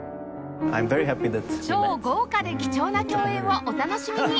超豪華で貴重な共演をお楽しみに！